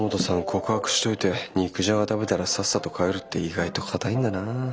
告白しといて肉じゃが食べたらさっさと帰るって意外と堅いんだな。